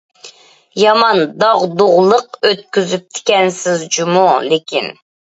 يامان داغدۇغىلىق ئۆتكۈزۈپتىكەنسىز جۇمۇ لېكىن.